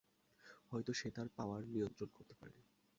হয়তো সে তার পাওয়ার নিয়ন্ত্রণ করতে পারে।